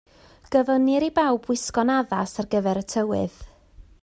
Gofynnir i bawb wisgo'n addas ar gyfer y tywydd